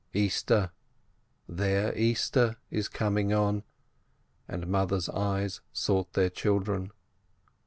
"Easter ! Their Easter is coming on !" and mothers' eyes sought their children.